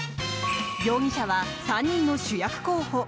容疑者は３人の主役候補。